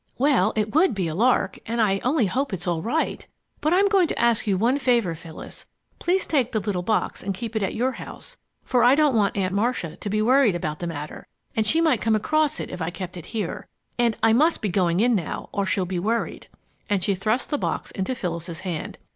"Well it would be a lark, and I only hope it's all right. But I'm going to ask you one favor, Phyllis. Please take the little box and keep it at your house, for I don't want Aunt Marcia to be worried about the matter, and she might come across it if I kept it here. And I must be going in now, or she'll be worried." And she thrust the box into Phyllis's hand.